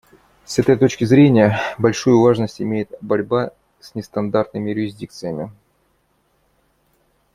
С этой точки зрения, большую важность имеет борьба с нестандартными юрисдикциями.